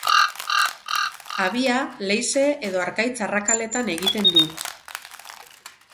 Habia leize edo harkaitz-arrakaletan egiten du.